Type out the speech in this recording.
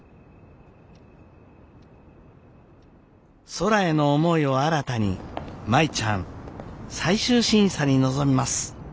空への思いを新たに舞ちゃん最終審査に臨みます。